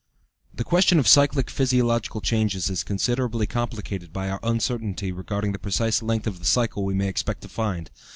The question of cyclic physiological changes is considerably complicated by our uncertainty regarding the precise length of the cycle we may expect to find.